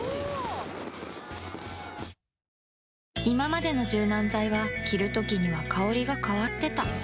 いままでの柔軟剤は着るときには香りが変わってた